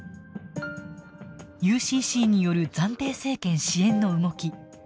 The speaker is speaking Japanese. ＵＣＣによる暫定政権支援の動き。